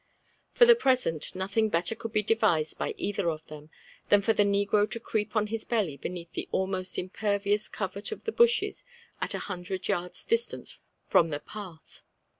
For the present, nothing better could be divised by either of them, than for the negro to creep on his belly beneath the almost impervious covert of the bushes at a hundred yards' distance from the path.